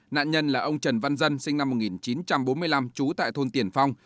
nạn nhân là ông trần văn dân sinh năm một nghìn chín trăm bốn mươi năm trú tại thôn tiển phong